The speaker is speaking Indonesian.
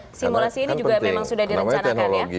karena kan penting namanya teknologi